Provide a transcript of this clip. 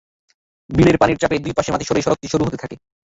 বিলের পানির চাপে দুই পাশের মাটি সরে সড়কটি সরু হতে থাকে।